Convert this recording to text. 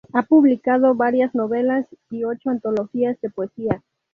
Ha publicado varias novelas y ocho antologías de poesía.